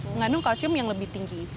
mengandung kalsium yang lebih tinggi